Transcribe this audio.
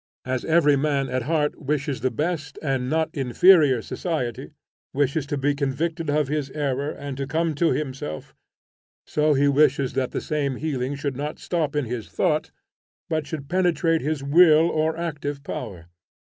As every man at heart wishes the best and not inferior society, wishes to be convicted of his error and to come to himself, so he wishes that the same healing should not stop in his thought, but should penetrate his will or active power.